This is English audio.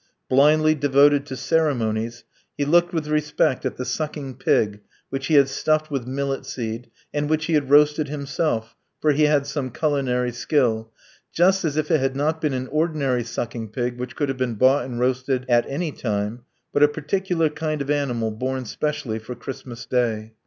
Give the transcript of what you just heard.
Blindly devoted to ceremonies, he looked with respect at the sucking pig which he had stuffed with millet seed, and which he had roasted himself (for he had some culinary skill), just as if it had not been an ordinary sucking pig which could have been bought and roasted at any time, but a particular kind of animal born specially for Christmas Day.